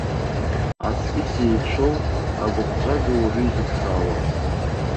Аҵкыс еицәоу агәыԥҵәага уаҩы изыԥшаауам!